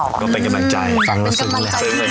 ก็เป็นกำลังใจเป็นกำลังเจ้าที่